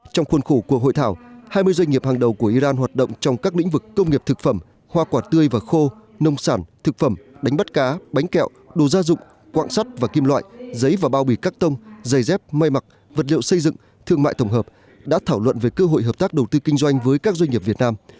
trong khuôn khổ của hội thảo hai mươi doanh nghiệp hàng đầu của iran hoạt động trong các lĩnh vực công nghiệp thực phẩm hoa quả tươi và khô nông sản thực phẩm đánh bắt cá bánh kẹo đồ gia dụng quạng sắt và kim loại giấy và bao bì cắt tông giày dép may mặc vật liệu xây dựng thương mại tổng hợp đã thảo luận về cơ hội hợp tác đầu tư kinh doanh với các doanh nghiệp việt nam